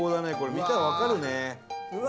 見たらわかるね。